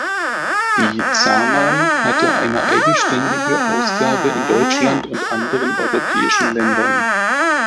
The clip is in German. Die "Zaman" hatte eine eigenständige Ausgabe in Deutschland und anderen europäischen Ländern.